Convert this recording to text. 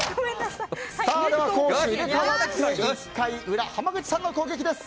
では攻守入れ替わって１回裏、濱口さんの攻撃です。